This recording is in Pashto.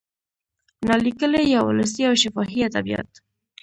نا لیکلي یا ولسي او شفاهي ادبیات